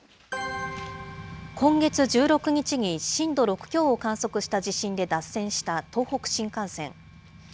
今月１６日に震度６強を観測した地震で脱線した東北新幹線。